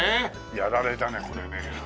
やられたねこれね。